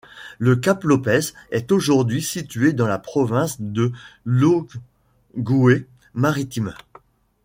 Le cap Lopez est aujourd'hui situé dans la province de l'Ogooué-Maritime.